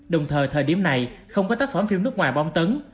đồng thời thời điểm này không có tác phẩm phim nước ngoài bỏng tấn